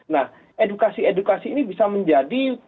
nah edukasi edukasi ini bisa menjadi